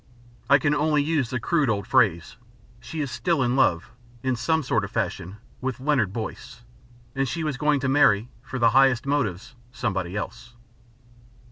I can only use the crude old phrase: she was still in love (in some sort of fashion) with Leonard Boyce, and she was going to marry, for the highest motives, somebody else.